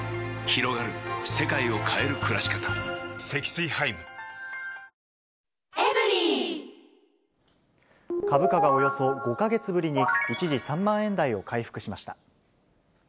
サツマイモを使った商品って株価がおよそ５か月ぶりに、一時３万円台を回復しました。